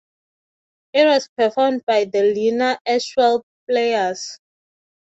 It was performed by the Lena Ashwell Players.